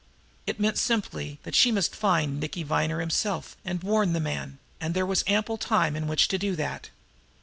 It meant simply that she must now find Nicky Viner himself and warn the man, and there was ample time in which to do that.